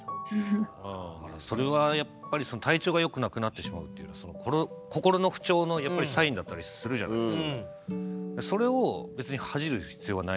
それはやっぱり体調がよくなくなってしまうっていうのは心の不調のサインだったりするじゃないですか。